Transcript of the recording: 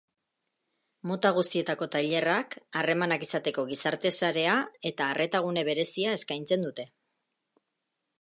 Mota guztietako tailerrak, harremanak izateko gizarte sarea eta arreta-gune berezia eskaintzen dute.